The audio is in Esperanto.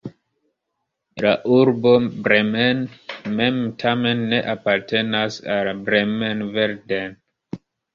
La urbo Bremen mem tamen ne apartenas al Bremen-Verden.